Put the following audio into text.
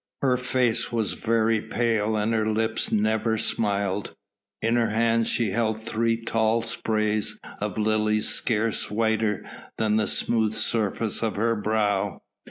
Her face was very pale and her lips never smiled. In her hands she held three tall sprays of lilies scarce whiter than the smooth surface of her brow.